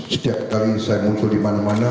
setiap kali saya muncul dimana mana